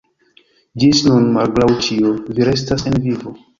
Ĝis nun, malgraŭ ĉio, vi restas en vivo.